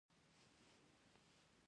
د یفتلیانو سپین هونیان دلته راغلل